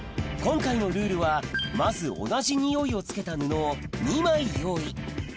今回のルールはまず同じニオイをつけた布を２枚用意